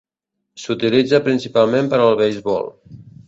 S'utilitza principalment per al beisbol.